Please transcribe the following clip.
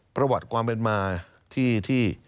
ประวัติความเป็นมาที่